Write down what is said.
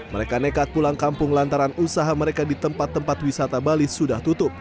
mereka nekat pulang kampung lantaran usaha mereka di tempat tempat wisata bali sudah tutup